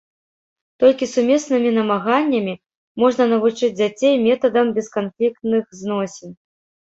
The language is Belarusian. Толькі сумеснымі намаганнямі можна навучыць дзяцей метадам бесканфліктных зносін.